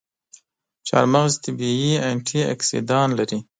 چارمغز طبیعي انټياکسیدان لري.